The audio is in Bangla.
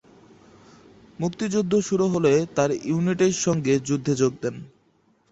মুক্তিযুদ্ধ শুরু হলে তার ইউনিটের সঙ্গে যুদ্ধে যোগ দেন।